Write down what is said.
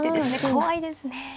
怖いですね。